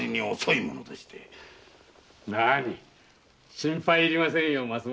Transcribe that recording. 心配要りませんよ。